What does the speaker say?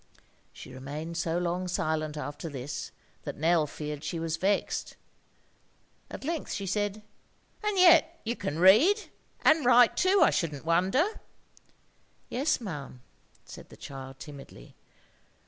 She remained so long silent after this that Nell feared she was vexed. At length she said,— "And yet you can read. And write too, I shouldn't wonder?" "Yes, ma'am," said the child timidly.